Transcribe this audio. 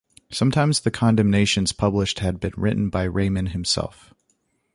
Sometimes the condemnations published had been written by Reimann himself.